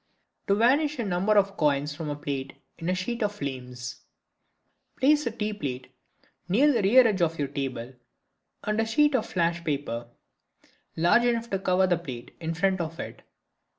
To Vanish a Number of Coins from a Plate in a Sheet of Flames.—Place a tea plate near the rear edge of your table, and a sheet of "flash" paper, large enough to cover the plate, in front of it.